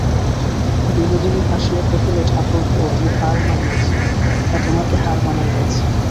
বিনোদিনী হাসিয়া কহিল, ঠাকুরপো, আমি হার মানিয়াছি, না তোমাকে হার মানাইয়াছি?